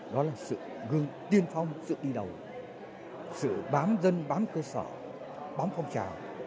đó là sự tiên phong sự đi đầu sự bám dân bám cơ sở bám phong trào